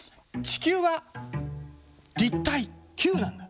地球は立体球なんだ。